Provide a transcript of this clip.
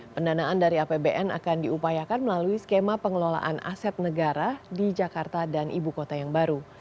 pendanaan dari apbn akan diupayakan melalui skema pengelolaan aset negara di jakarta dan ibu kota yang baru